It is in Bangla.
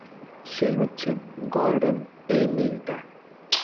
সে হচ্ছে গর্ডন, এই নীলটা।